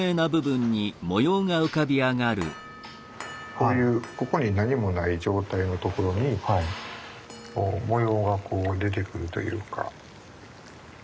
こういうここに何もない状態の所に模様がこう出てくるというか。